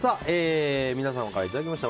皆様からいただきました